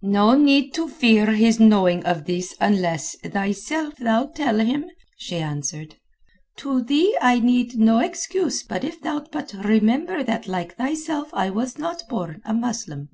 "No need to fear his knowing of this unless, thyself, thou tell him," she answered. "To thee I need no excuse if thou'lt but remember that like thyself I was not born a Muslim."